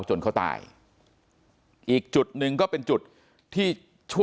ไม่ล้มอ่ะเขาก็นั่งคืนน้องเขาก็ใส่หัว